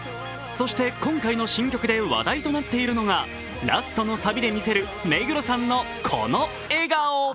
そして今回の新曲で話題となっているのがラストのサビで見せる、目黒さんのこの笑顔。